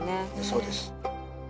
そうです。